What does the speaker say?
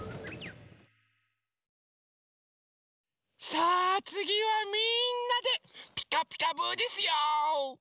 さあつぎはみんなで「ピカピカブ！」ですよ！